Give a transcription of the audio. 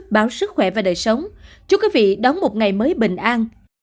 báo sức khỏe và đời sống chúc quý vị đón một ngày mới bình an